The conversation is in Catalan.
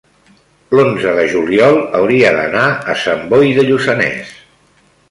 l'onze de juliol hauria d'anar a Sant Boi de Lluçanès.